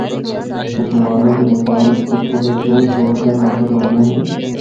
مسلماناں دے مکان اکثر کھلے تے دو ترے منزل ہوندے ہن۔